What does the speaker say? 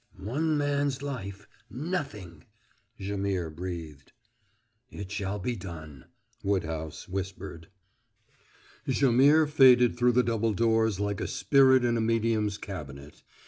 "One man's life nothing!" Jaimihr breathed. "It shall be done," Woodhouse whispered. Jaimihr faded through the double doors like a spirit in a medium's cabinet.